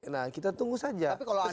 nah kita tunggu saja